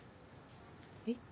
えっ？